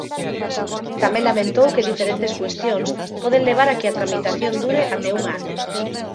Tamén lamentou que diferentes cuestións poden levar a que tramitación dure até "un ano".